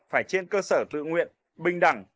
phải trên cơ sở tự nguyện bình đẳng